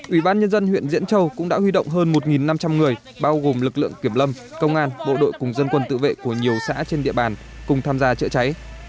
ủy ban nhân dân huyện diễn châu cũng đã huy động hơn một năm trăm linh người bao gồm lực lượng kiểm lâm công an bộ đội cùng dân quân tự vệ của nhiều xã trên địa bàn cùng tham gia chữa cháy